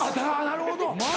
なるほど。